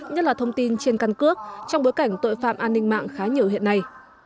nhất là thông tin trên căn cước trong bối cảnh tội phạm an ninh mạng khá nhiều hiện nay